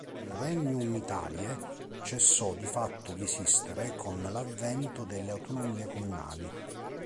Il "Regnum Italiae" cessò di fatto di esistere con l'avvento delle autonomie comunali.